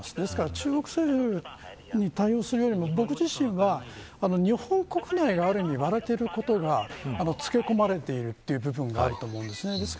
中国政府に対応するより僕自身は日本国内で言われていることがつけこまれている部分があると思います。